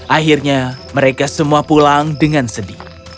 akhirnya mereka semua pulang dengan sedih